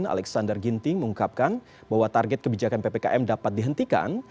alexander ginting mengungkapkan bahwa target kebijakan ppkm dapat dihentikan